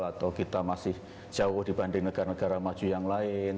atau kita masih jauh dibanding negara negara maju yang lain